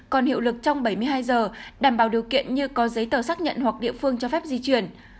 còn hiệu lực trong bảy mươi hai giờ đảm bảo điều kiện như có giấy tờ xác nhận hoặc địa phương cho phép di chuyển